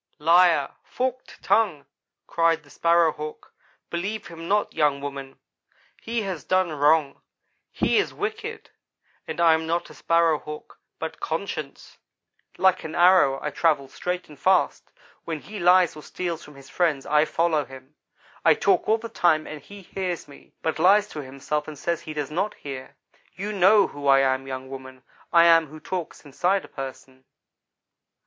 "'Liar forked tongue,' cried the Sparrow hawk. 'Believe him not, young woman. He has done wrong. He is wicked and I am not a Sparrow hawk, but conscience. Like an arrow I travel, straight and fast. When he lies or steals from his friends I follow him. I talk all the time and he hears me, but lies to himself, and says he does not hear. You know who I am, young woman, I am what talks inside a person.'